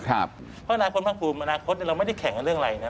เพราะอนาคตภาคภูมิอนาคตเราไม่ได้แข่งกับเรื่องอะไรนะ